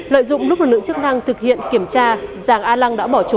lợi dụng lực lượng chức năng thực hiện kiểm tra giàng an lăng đã bán trái phép chất ma túy